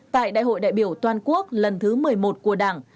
tại đại hội đại biểu toàn quốc lần thứ một mươi một của đảng